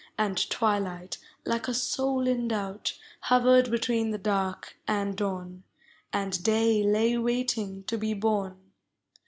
And twilight, like a soul in doubt. Hovered between the dark and dawn, And day lay waiting to be born ; 4 POEMS OF HOME.